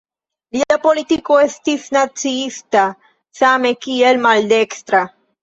Lia politiko estis naciista same kiel maldekstra.